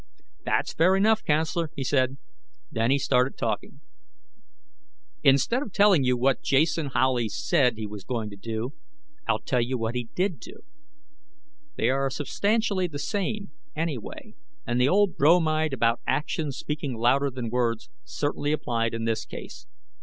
"That's fair enough, counselor," he said. Then he started talking. Instead of telling you what Jason Howley said he was going to do, I'll tell you what he did do. They are substantially the same, anyway, and the old bromide about actions speaking louder than words certainly applied in this case.